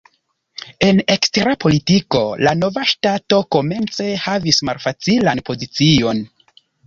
En ekstera politiko la nova ŝtato komence havis malfacilan pozicion.